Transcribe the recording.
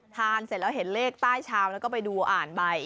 เสร็จแล้วเห็นเลขใต้ชามแล้วก็ไปดูอ่านใบ